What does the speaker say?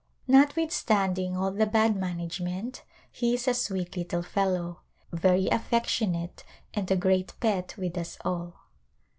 Not withstanding all the bad management he is a sweet little fellow, very affectionate and a great pet with us all.